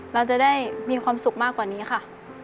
เราจะได้มีความสุขมากกว่านี้ค่ะ